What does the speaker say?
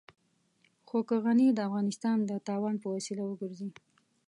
خو که غني د افغانستان د تاوان وسيله وګرځي.